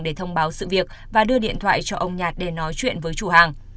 để thông báo sự việc và đưa điện thoại cho ông nhạt để nói chuyện với chủ hàng